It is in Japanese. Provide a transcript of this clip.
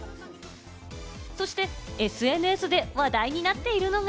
そしてＳＮＳで話題になっているのが。